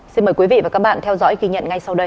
xin mời quý vị và các bạn theo dõi ghi nhận ngay sau đây